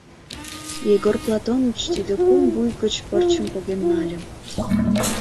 Егор Платоныч тиде кум вуй гыч пырчым поген нале.